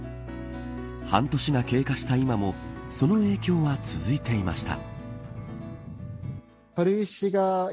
半年が経過した今もその影響は続いていました。